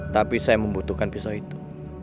tapi saya membutuhkan pisau itu